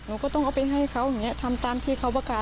หนูก็ต้องเอาไปให้เขาทำตามที่เขาประกาศ